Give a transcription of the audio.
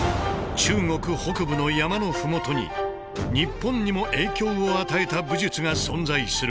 中国北部の山の麓に日本にも影響を与えた武術が存在する。